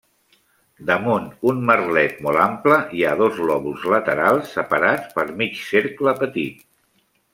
Damunt un merlet molt ample hi ha dos lòbuls laterals separats per mig cercle petit.